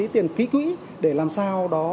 tiền ký quỹ để làm sao